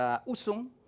yang akan kita usung